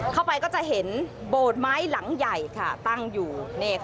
เข้าไปก็จะเห็นโบสถ์ไม้หลังใหญ่ค่ะตั้งอยู่